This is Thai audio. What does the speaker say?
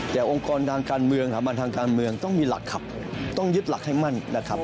แต่องค์กรทางการเมืองสถาบันทางการเมืองต้องมีหลักครับต้องยึดหลักให้มั่นนะครับ